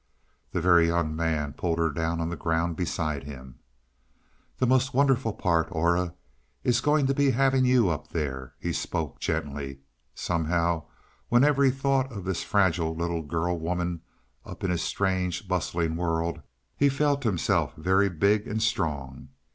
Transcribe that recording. The Very Young Man pulled her down on the ground beside him. "The most wonderful part, Aura, is going to be having you up there." He spoke gently; somehow whenever he thought of this fragile little girl woman up in his strange bustling world, he felt himself very big and strong.